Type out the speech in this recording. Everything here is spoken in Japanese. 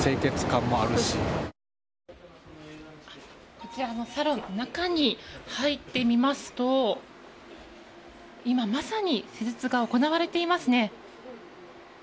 こちらのサロン中に入ってみますと今まさに施術が行われていますね。